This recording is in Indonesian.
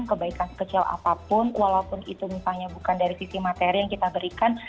kebaikan sekecil apapun walaupun itu misalnya bukan dari sisi materi yang kita berikan